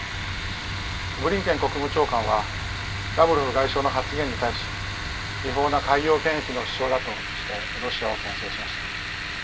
ブリンケン国務長官はラブロフ外相の発言に対し違法な海洋権益の主張だとしてロシアをけん制しました。